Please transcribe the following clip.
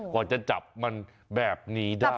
กว่าจะจับมันแบบนี้ได้